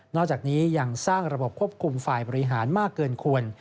อกจากนี้ยังสร้างระบบควบคุมฝ่ายบริหารมากเกินควร